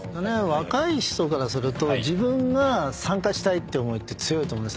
若い人からすると自分が参加したいって思いって強いと思うんです。